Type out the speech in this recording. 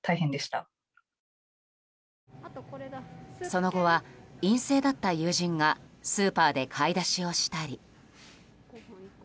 その後は陰性だった友人がスーパーで買い出しをしたり。